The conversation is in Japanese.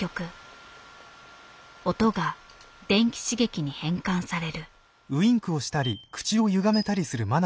音が電気刺激に変換される。